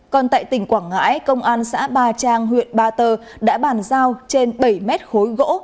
còn tại tỉnh quảng ngãi công an xã ba trang huyện ba tơ đã bàn giao trên bảy mét khối gỗ